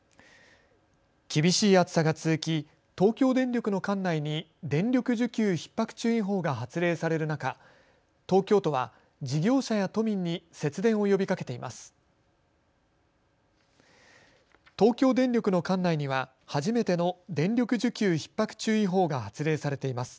厳しい暑さが続き東京電力の管内に電力需給ひっ迫注意報が発令される中、東京都は事業者や都民に節電を呼びかけています。